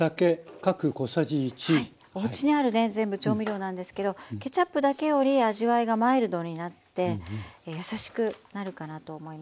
おうちにあるね全部調味料なんですけどケチャップだけより味わいがマイルドになってやさしくなるかなと思いますので。